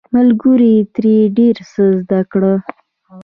ملګرو یې ترې ډیر څه زده کړل.